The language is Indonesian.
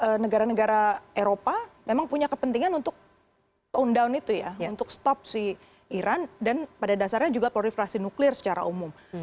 karena negara negara eropa memang punya kepentingan untuk down down itu ya untuk stop si iran dan pada dasarnya juga proliferasi nuklir secara umum